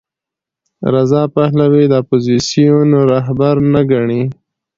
رضا پهلوي د اپوزېسیون رهبر نه ګڼي.